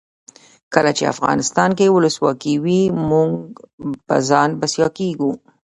کله چې افغانستان کې ولسواکي وي موږ په ځان بسیا کیږو.